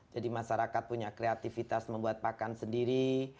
jadi masyarakat punya kreativitas membuat pakan sendiri